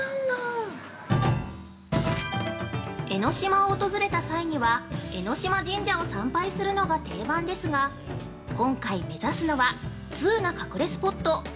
◆江の島を訪れた際には、江島神社を参拝するのが定番ですが、今回、目指すのは、「通な隠れスポット」。